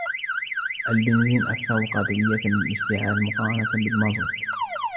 البنزين أكثر قابلية للاشتعال مقارنة بالمازوت.